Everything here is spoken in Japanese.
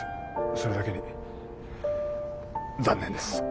それだけに残念です。